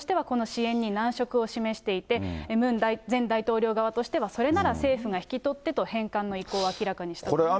ユン政権としては、この支援に難色を示していて、ムン前大統領側としては、それなら政府が引き取ってと、返還の意向を明らかにしたと。